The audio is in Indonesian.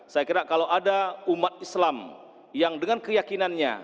saya kira kalau ada umat islam yang dengan keyakinannya